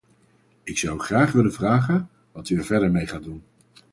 Ik zou u graag willen vragen wat u er verder mee gaat doen.